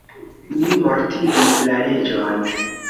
Mi mortigis la reĝon.